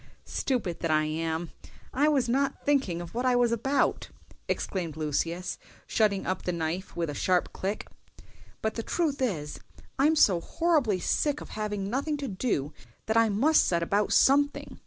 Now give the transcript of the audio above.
"Stupid that I am! I was not thinking of what I was about!" exclaimed Lucius, shutting up the knife with a sharp click; "but the truth is I'm so horribly sick of having nothing to do that I must set about something.